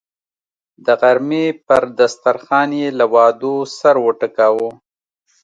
د غرمې پر دسترخان یې له وعدو سر وټکاوه.